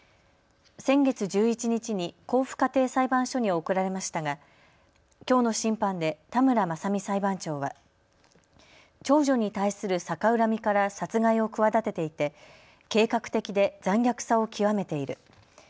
先月１１日に甲府家庭裁判所に送られましたがきょうの審判で田村政巳裁判長は長女に対する逆恨みから殺害を企てていて計画的で残虐さを極めている。